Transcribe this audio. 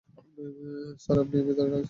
Sir, আপনাকে ভিতরে ডাকছে।